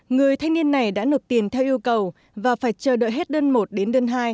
người thanh niên này đã nộp tiền theo yêu cầu và phải chờ đợi hết đơn một đến đơn hai